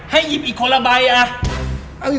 ให้ยิบอีกคนละใบอ่ะ